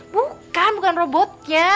bukan bukan robotnya